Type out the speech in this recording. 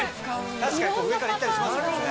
確かに上から行ったりしますもんね。